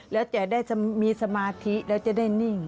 แล้วจะได้มีสมาธิแล้วจะได้นิ่ง